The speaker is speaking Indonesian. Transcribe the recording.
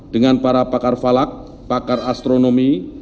dengan para pakar falak pakar astronomi